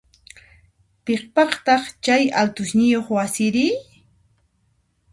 Piqpataq chay altosniyoq wasiri?